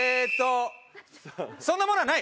そんなものはない！